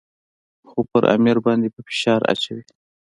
خو پر امیر باندې به فشار اچوي.